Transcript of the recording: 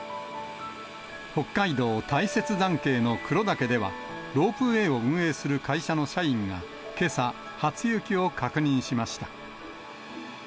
北海道大雪山系の黒岳では、ロープウエーを運営する会社の社員が、けさ、初雪を確認しました。